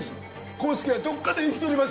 康介はどっかで生きとります